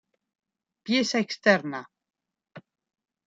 Pieza externa.